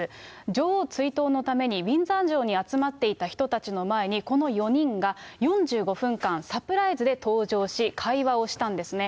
女王追悼のためにウィンザー城に集まっていた人たちの前に、この４人が４５分間、サプライズで登場し、会話をしたんですね。